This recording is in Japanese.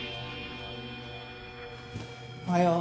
おはよう。